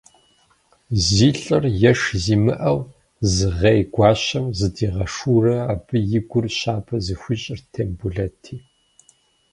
Зи лӏыр еш зимыӏэу зыгъей Гуащэм зыдигъэшурэ, абы и гур щабэ зыхуищӏырт Тембулэти.